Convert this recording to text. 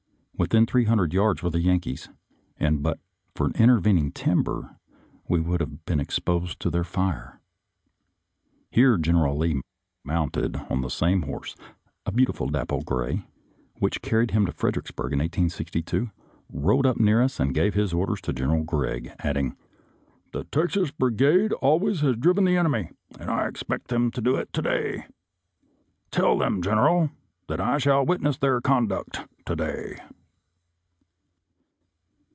Within three hundred yards were the Yankees, and, but for intervening timber, we would have been ex posed to their fire. Here General Lee, mounted on the same horse (a beautiful dapple gray) which carried him at Fredericksburg in 1862, rode up near us and gave his orders to General Gregg, adding, " The Texas Brigade always has driven the enemy, and I expect them to do it to day. Tell them. General, that I shall witness their conduct to day."